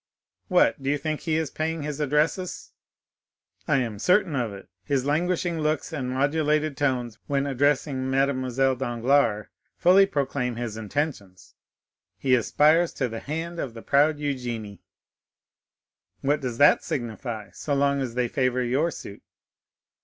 "What, do you think he is paying his addresses?" "I am certain of it; his languishing looks and modulated tones when addressing Mademoiselle Danglars fully proclaim his intentions. He aspires to the hand of the proud Eugénie." "What does that signify, so long as they favor your suit?"